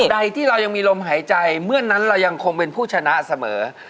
ใดที่เรายังมีลมหายใจเมื่อนั้นเรายังคงเป็นผู้ชนะเสมอ